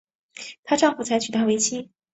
她丈夫才娶她为妻